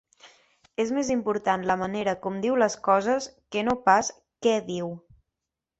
És més important la manera com diu les coses que no pas què diu.